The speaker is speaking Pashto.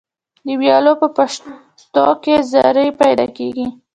د ویالو په پشتو کې زرۍ پیدا کیږي.